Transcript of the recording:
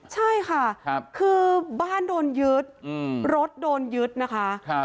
ใช่ค่ะครับคือบ้านโดนยืดอืมรถโดนยืดนะคะครับ